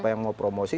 siapa yang mau promosi